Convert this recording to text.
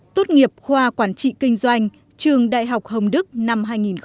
tốt nghiệp khoa quản trị kinh doanh trường đại học hồng đức năm hai nghìn hai mươi